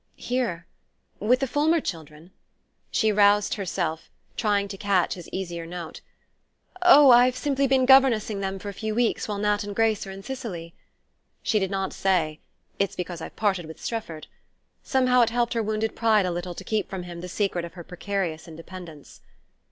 "Here with the Fulmer children?" She roused herself, trying to catch his easier note. "Oh, I've simply been governessing them for a few weeks, while Nat and Grace are in Sicily." She did not say: "It's because I've parted with Strefford." Somehow it helped her wounded pride a little to keep from him the secret of her precarious independence.